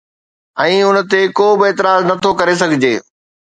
۽ ان تي ڪو به اعتراض نه ٿو ڪري سگهجي